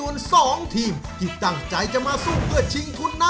คนโสธิปัญหาสินค้า